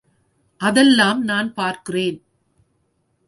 அதெல்லாம் நான் பார்த்துக்குறேன்.